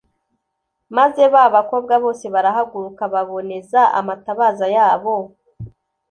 Maze ba bakobwa bose barahaguruka baboneza amatabaza yabo.